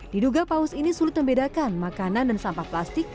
diduga paus ini sulit membedakan makanan dan sampah plastik